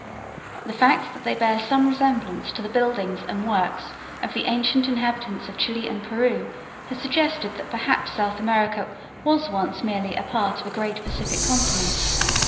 The fact that they bear some resemblance to the buildings and works of the ancient inhabitants of Chile and Peru has suggested that perhaps South America was once merely a part of a great Pacific continent.